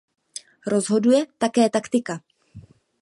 Rozhoduje také taktika.